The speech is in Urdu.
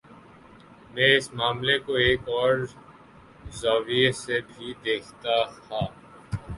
میں اس معاملے کوایک اور زاویے سے بھی دیکھتا تھا۔